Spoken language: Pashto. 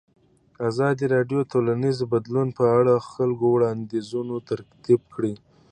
ازادي راډیو د ټولنیز بدلون په اړه د خلکو وړاندیزونه ترتیب کړي.